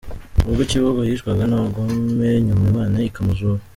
Ubwo Kibigo yicwaga n’abagome nyuma Imana ikamuzura.